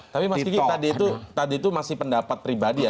tapi mas kiki tadi itu masih pendapat pribadi ya